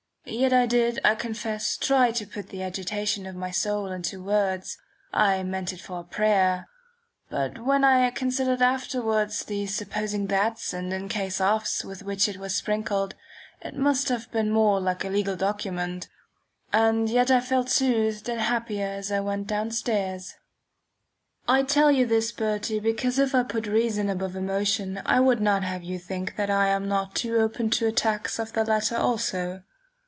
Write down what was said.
Yet I did, I confess, try to put the agitation of my soul into words. I meant it for a prayer; but when I considered afterwards the "supposing thats" and "in case ofs" with which it was sprinkled, it must have been more like a legal document. And yet I felt soothed and happier as I went downstairs again. I tell you this, Bertie, because if I put reason above emotion I would not have you think that I am not open to attacks of the latter also.